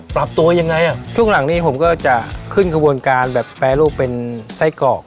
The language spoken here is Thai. ปรับตัวยังไงอ่ะช่วงหลังนี้ผมก็จะขึ้นกระบวนการแบบแปรรูปเป็นไส้กรอก